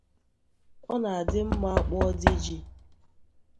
Ọ na-adị mma a kpụọ Diji